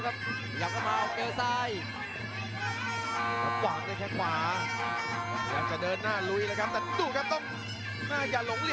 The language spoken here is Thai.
แม่คตุดสอกคำผู้นี้